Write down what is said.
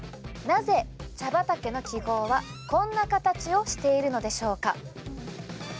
なぜ茶畑の記号はこんな形をしているのでしょう？